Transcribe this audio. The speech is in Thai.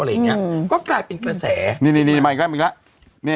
อะไรอย่างนี้ก็กลายเป็นกระแสนี่นี่มาอีกแล้วอีกแล้ว